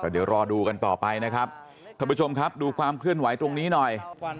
เดี๋ยวรอดูกันต่อไปนะครับท่านผู้ชมครับดูความเคลื่อนไหวตรงนี้หน่อย